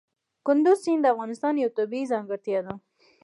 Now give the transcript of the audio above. کندز سیند د افغانستان یوه طبیعي ځانګړتیا ده.